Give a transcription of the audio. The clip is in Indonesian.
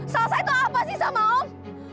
selesai itu apa sih sama om